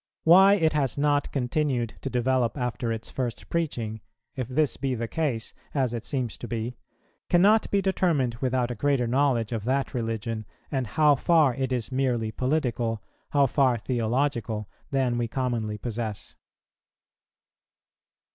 Why it has not continued to develope after its first preaching, if this be the case, as it seems to be, cannot be determined without a greater knowledge of that religion, and how far it is merely political, how far theological, than we commonly possess.